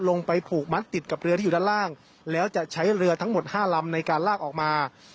ลงไปผูกมัดติดกับเรือที่อยู่ด้านล่างแล้วจะใช้เรือทั้งหมดห้าลำในการลากออกมา